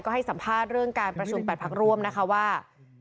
ก็ให้สัมภาษณ์เรื่องการประชุม๘พักร่วมนะคะว่า